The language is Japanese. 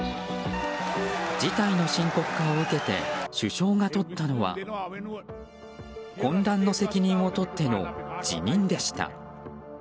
事態の深刻化を受けて首相がとったのは混乱の責任を取っての辞任でした。